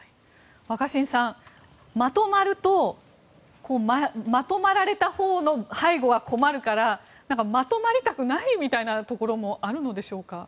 若新さん、まとまるとまとまられたほうの背後は困るからまとまりたくないみたいなところもありますか。